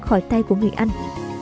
khỏi tay của người anh